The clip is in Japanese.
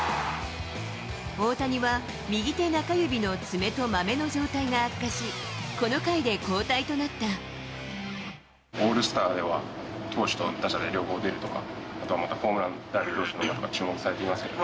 大谷は、右手中指の爪とまめの状態が悪化し、この回で交代となっオールスターでは、投手と打者で両方出るとか、あとはまたホームランダービーどうするのか注目されていますけど。